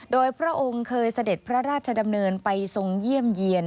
โดยพระองค์เคยเสด็จพระราชดำเนินไปทรงเยี่ยมเยี่ยน